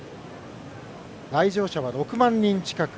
来場者は６万人近く。